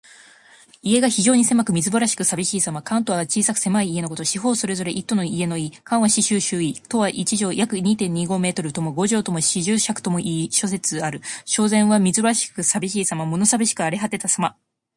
家が非常に狭く、みすぼらしくさびしいさま。「環堵」は小さく狭い家のこと。四方それぞれ一堵の家の意。「環」は四周・周囲。「堵」は一丈（約二・二五メートル）とも五丈とも四十尺ともいい諸説ある。「蕭然」はみすぼらしくさびしいさま。物さびしく荒れ果てたさま。